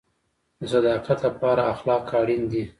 د صداقت لپاره اخلاق اړین دي